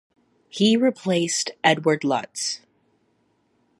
He replaced Eduard Luts.